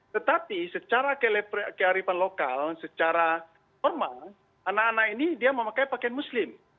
tetapi secara kearifan lokal secara formal anak anak ini dia memakai pakaian muslim